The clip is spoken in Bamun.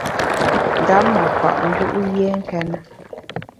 Ndap ma pa’ nju’ yié nkéne.